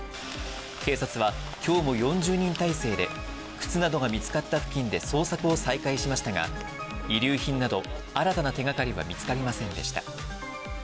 警察はきょうも４０人態勢で、靴などが見つかった付近で捜索を再開しましたが、遺留品など、新たな手がかりは見つかりませんでした。